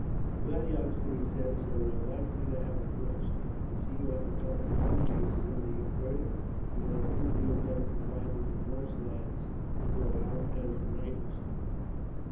"Well, youngster," he said, "so we're likely to have a brush. I see you have a couple of gun cases under your berth. You are a good deal better provided than most lads who go out as writers.